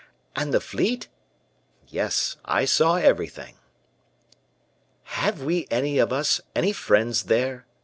"And the fleet?" "Yes, I saw everything." "Have we any of us any friends there?"